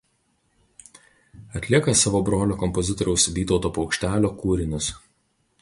Atlieka savo brolio kompozitoriaus Vytauto Paukštelio kūrinius.